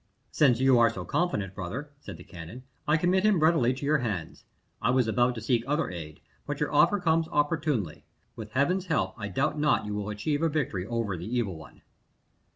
"Since you are so confident, brother," said the canon, "I commit him readily to your hands. I was about to seek other aid, but your offer comes opportunely. With Heaven's help I doubt not you will achieve a victory over the evil one."